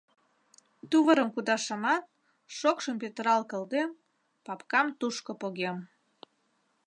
— Тувырым кудашамат, шокшым пӱтырал кылдем, папкам тушко погем.